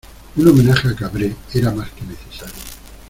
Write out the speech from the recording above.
Un homenaje a Cabré era más que necesario.